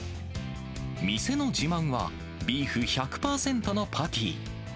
店の自慢は、ビーフ１００％のパティ。